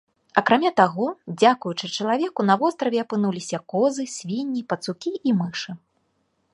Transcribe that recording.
Акрамя таго, дзякуючы чалавеку на востраве апынуліся козы, свінні, пацукі і мышы.